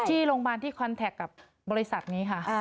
ที่โรงพยาบาลที่คอนแท็กกับบริษัทนี้ค่ะ